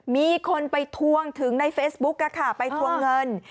มีคนไปทวงถึงในเฟซบุ๊กไปทวงเงิน